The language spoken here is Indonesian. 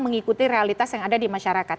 mengikuti realitas yang ada di masyarakat